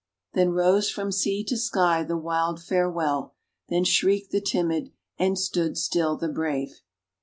"Then rose from sea to sky the wild farewell, Then shrieked the timid, and stood still the brave."